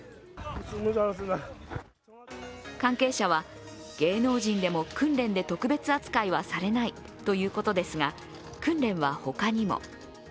関係者は、芸能人でも訓練で特別扱いはされないということですが、訓練は他にも。